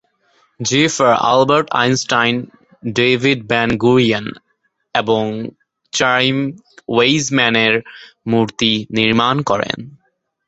Zipper Albert Einstein, David Ben Gurion এবং chime ওয়েইজম্যানের মূর্তি নির্মাণ করেন।